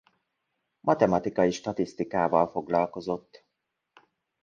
Matematikai statisztikával foglalkozott.